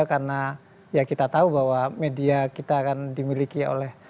karena ya kita tahu bahwa media kita akan dimiliki oleh